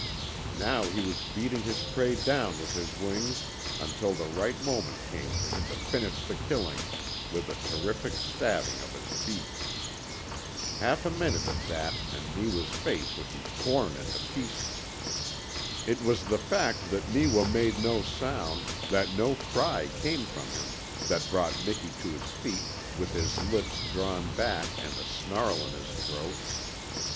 Now he was beating his prey down with his wings until the right moment came for him to finish the killing with the terrific stabbing of his beak. Half a minute of that and Neewa's face would be torn into pieces. It was the fact that Neewa made no sound, that no cry came from him, that brought Miki to his feet with his lips drawn back and a snarl in his throat.